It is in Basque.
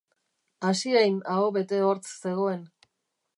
Asiain aho bete hortz zegoen.